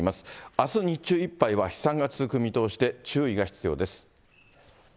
あす日中いっぱいは飛散が続く見通しで、注意が必要です。